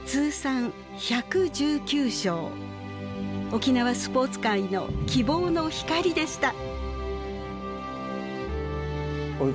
沖縄スポーツ界の希望の光でした。